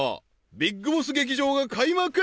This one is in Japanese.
ビッグボス劇場が開幕